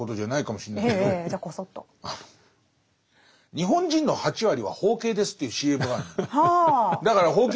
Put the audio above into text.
日本人の８割は包茎ですっていうＣＭがあるの。